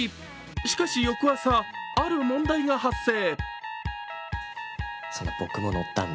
しかし翌朝ある問題が発生。